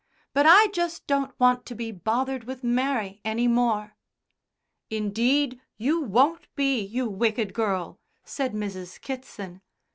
"But I just don't want to be bothered with Mary any more." "Indeed, you won't be, you wicked girl," said Mrs. Kitson.